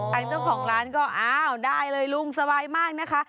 ทางเจ้าของร้านก็อ้าวได้เลยลุงสบายมากนะคะ